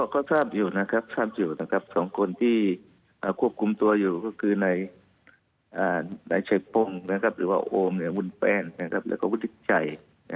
ก็ทราบอยู่นะครับ๒คนที่ควบกุมตัวอยู่ก็คือในชัยปงหรือว่าโอมหรือวุ่นแป้นแล้วก็วุฒิใจ